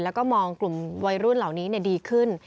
แล้วก็มองกลุ่มวัยรุ่นเหล่านี้ดีขึ้น